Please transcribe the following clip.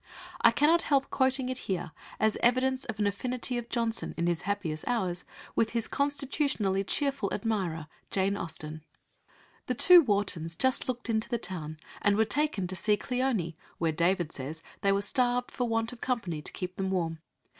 I cannot help quoting it here as evidence of an affinity of Johnson, in his happiest hours, with his constitutionally cheerful admirer, Jane Austen "The two Wartons just looked into the town, and were taken to see Cleone, where, David says, they were starved for want of company to keep them warm.